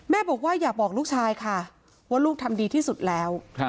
บอกว่าอยากบอกลูกชายค่ะว่าลูกทำดีที่สุดแล้ว